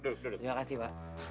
terima kasih pak